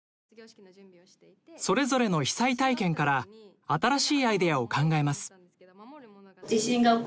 それぞれの被災体験から新しいアイデアを考えます。